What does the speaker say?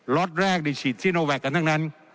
ล็อตแรกในชีวิตที่เราแวกกันทั้งนั้น